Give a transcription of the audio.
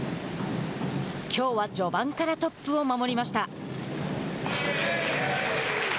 きょうは序盤からトップを守りました。